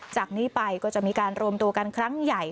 จากนี้ไปก็จะมีการรวมตัวกันครั้งใหญ่